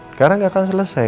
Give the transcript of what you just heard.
sekarang gak akan selesai